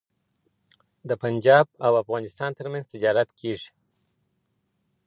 د پنجاب او افغانستان ترمنځ تجارت کیږي.